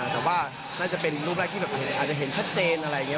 แต่ว่าน่าจะเป็นรูปแรกที่แบบอาจจะเห็นชัดเจนอะไรอย่างนี้